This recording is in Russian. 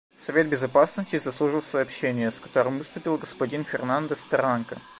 Совет Безопасности заслушал сообщение, с которым выступил господин Фернандес-Таранко.